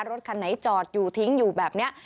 รถคันไหนจอดอยู่ทิ้งอยู่แบบนี้